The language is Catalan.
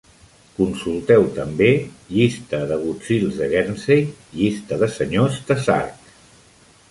"Consulteu també:" llista d'agutzils de Guernsey, llista de senyors de Sark.